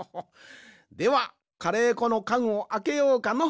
ではカレーこのかんをあけようかの。